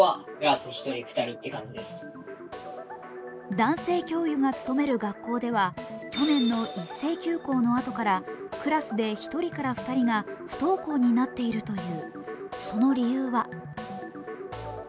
男性教諭が勤める学校では去年の一斉休校のあとからクラスで１人から２人が不登校になっているという。